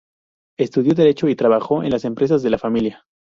Estudió Derecho y trabajó en las empresas de la familia.